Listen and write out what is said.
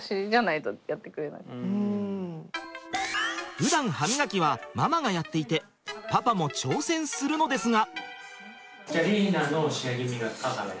ふだん歯みがきはママがやっていてパパも挑戦するのですが。